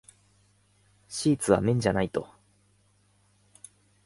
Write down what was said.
シーツは綿じゃないと。